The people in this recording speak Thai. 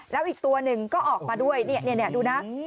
แล้วอีกตัวหนึ่งก็ออกมาด้วยเนี่ยดูนะ